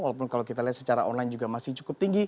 walaupun kalau kita lihat secara online juga masih cukup tinggi